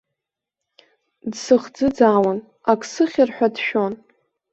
Дсыхӡыӡаауан, ак сыхьыр ҳәа дшәон.